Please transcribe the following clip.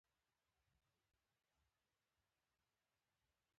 په نامحتاط انداز خبرې ونه کړي.